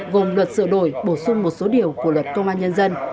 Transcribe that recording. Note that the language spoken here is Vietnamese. gồm luật sửa đổi bổ sung một số điều của luật công an nhân dân